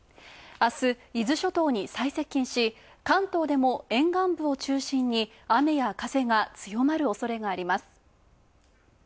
あす、伊豆諸島に最接近し関東でも沿岸部を中心に雨や風が強まるおそれがあります。